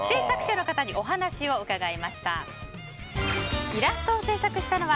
作者の方にお話を伺いました。